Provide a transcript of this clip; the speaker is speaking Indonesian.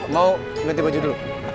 mau ganti baju dulu